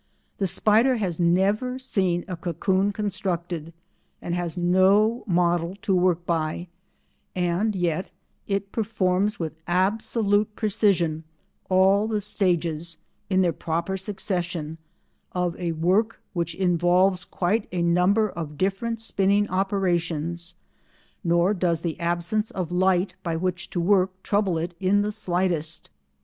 The spider has never seen a cocoon constructed and has no model to work by, and yet it performs with absolute precision all the stages, in their proper succession, of a work which involves quite a number of different spinning operations, nor does the absence of light by which to work trouble it in the slightest.